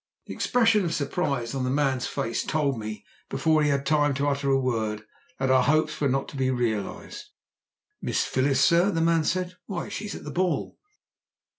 The expression of surprise on the man's face told me, before he had time to utter a word, that our hopes were not to be realized. "Miss Phyllis, sir?" the man said. "Why, she's at the ball."